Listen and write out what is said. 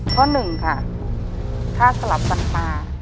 ข้อ๑ค่ะค่าสลับตัดปลา